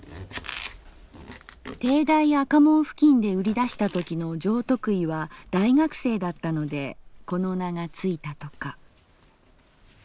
「帝大赤門附近で売り出したときの上得意は大学生だったのでこの名がついたとか」。